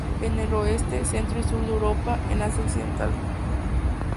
En el oeste, centro y sur de Europa, en Asia occidental.